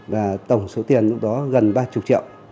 và tổng số tiền lúc đó gần ba mươi triệu